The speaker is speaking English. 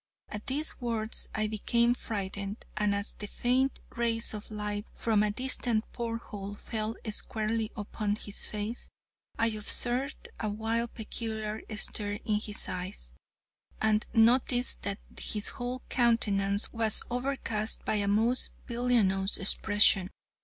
At these words I became frightened, and as the faint rays of light from a distant port hole fell squarely upon his face, I observed a wild, peculiar stare in his eyes, and noticed that his whole countenance was overcast by a most villainous expression.